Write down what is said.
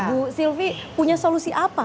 ibu sylvie punya solusi apa